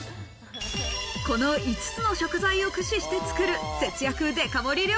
この５つの食材を駆使して作る節約デカ盛り